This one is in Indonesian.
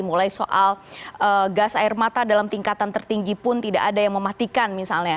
mulai soal gas air mata dalam tingkatan tertinggi pun tidak ada yang mematikan misalnya